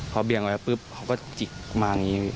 เขาเบียงไว้ปลึ๊บก็จิ๊กมาอย่างนี้